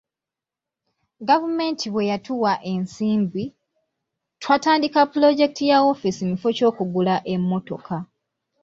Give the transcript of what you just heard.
Gavumenti bwe yatuwa ensimbi, twatandika pulojekiti ya woofiisi mu kifo ky'okugula emmotoka.